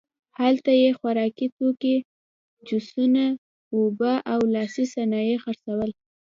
هلته یې خوراکي توکي، جوسونه، اوبه او لاسي صنایع خرڅول.